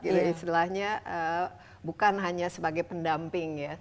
itu istilahnya bukan hanya sebagai pendamping ya